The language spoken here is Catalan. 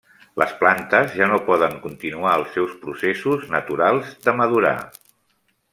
Les plantes ja no poden continuar els seus processos naturals de madurar.